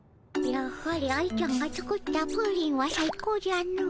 やはり愛ちゃんが作ったプリンはさい高じゃの。